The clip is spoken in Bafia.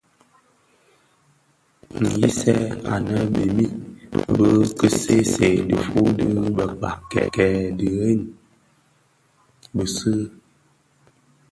Nghisèn anèn bimid bi ki see see dhifuu di bekpag kè dhëňi bisi a.